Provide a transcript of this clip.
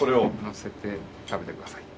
のせて食べてください。